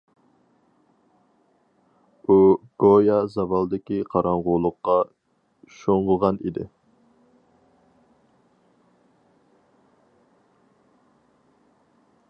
ئۇ گويا زاۋالدىكى قاراڭغۇلۇققا شۇڭغۇغان ئىدى.